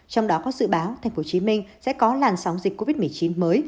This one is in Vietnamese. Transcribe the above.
trong đó có dự báo tp hcm sẽ có làn sóng dịch covid một mươi chín mới